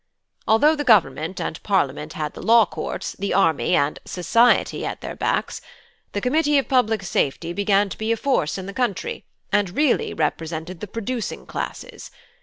Although the Government and Parliament had the law courts, the army, and 'society' at their backs, the Committee of Public Safety began to be a force in the country, and really represented the producing classes.